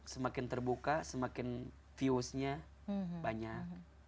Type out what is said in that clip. semakin terbuka semakin viewsnya banyak